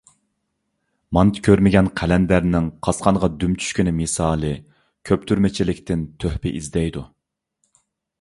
مانتا كۆرمىگەن قەلەندەرنىڭ قاسقانغا دۈم چۈشكىنى مىسالى كۆپتۈرمىچىلىكتىن تۆھپە ئىزدەيدۇ.